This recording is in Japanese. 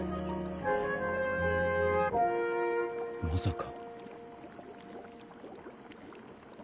まさか。